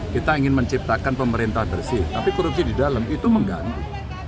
kita ingin menciptakan pemerintah bersih tapi korupsi di dalam itu mengganggu